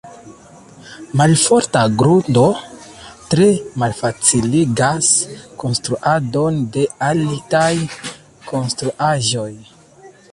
Malforta grundo tre malfaciligas konstruadon de altaj konstruaĵoj.